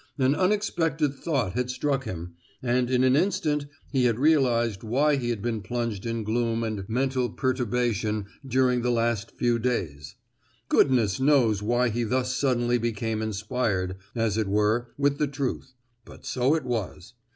An unexpected thought had struck him, and in an instant he had realized why he had been plunged in gloom and mental perturbation during the last few days. Goodness knows why he thus suddenly became inspired, as it were, with the truth; but so it was.